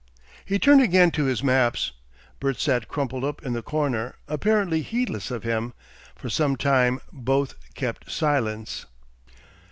He turned again to his maps. Bert sat crumpled up in the corner, apparently heedless of him. For some time both kept silence.